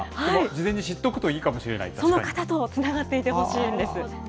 事前に知っておくといいかもしれその方ともつながっておいてほしいんです。